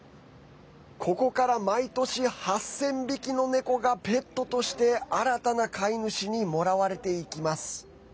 ここから毎年８０００匹のネコがペットとして新たな飼い主にもらわれていきます。